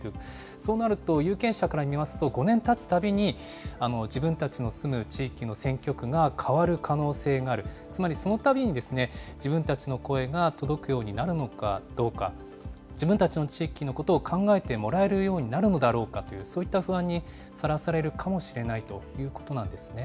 そうなると、有権者から見ますと、５年たつたびに、自分たちの住む地域の選挙区が変わる可能性がある、つまりそのたびに、自分たちの声が届くようになるのかどうか、自分たちの地域のことを考えてもらえるようになるのだろうかという、そういった不安にさらされるかもしれないということなんです